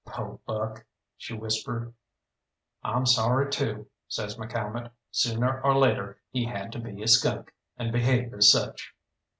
"Po' Buck," she whispered. "I'm sorry, too," says McCalmont; "sooner or later he had to be a skunk, and behave as such."